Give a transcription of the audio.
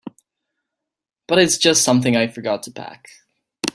But it's just something I forgot to pack.